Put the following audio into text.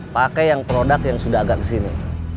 pakai yang produk yang sudah agak kesini